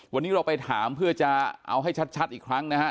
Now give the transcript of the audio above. วันนี้เราไปถามเพื่อจะเอาให้ชัดอีกครั้งนะฮะ